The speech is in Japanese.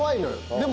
でも。